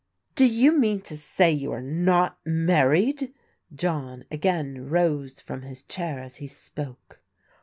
"Do you mean to say you are not married?" John again rose from his chair as he spoke.